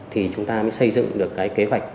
thì chúng ta mới xây dựng được cái kế hoạch